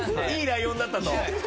いいライオンだったと。